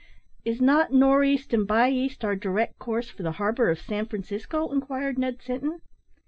"Is not `nor' east and by east' our direct course for the harbour of San Francisco?" inquired Ned Sinton.